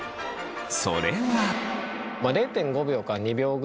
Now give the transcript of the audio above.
それは。